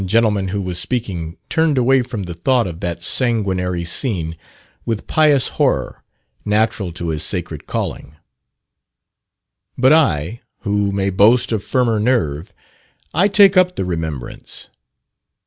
gentleman who was speaking turned away from the thought of that sanguinary scene with pious horror, natural to his sacred calling. But I, who may boast of firmer nerve, I take up the remembrance.